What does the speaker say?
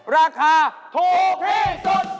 ราคาถูกที่สุด